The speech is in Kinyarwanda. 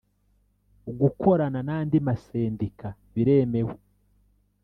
gukorana n andi masendika biremewe